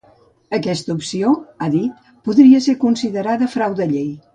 Aquesta opció, ha dit, podria ser considerada frau de llei.